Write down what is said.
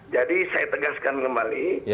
jadi saya tegaskan kembali